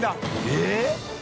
えっ？